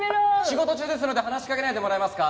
仕事中ですので話しかけないでもらえますか？